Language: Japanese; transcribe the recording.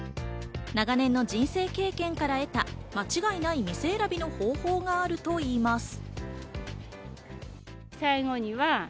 長年の人生経験から得た、間違いない店選びの方法があるといいます。